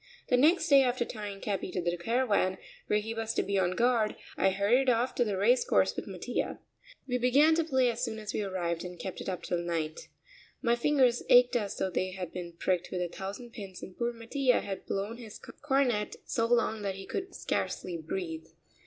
The next day, after tying Capi to the caravan, where he was to be on guard, I hurried off to the race course with Mattia. We began to play as soon as we arrived and kept it up until night. My fingers ached as though they had been pricked with a thousand pins and poor Mattia had blown his cornet so long that he could scarcely breathe.